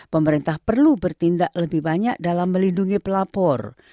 pemerintah perlu bertindak lebih banyak dalam melindungi pelapor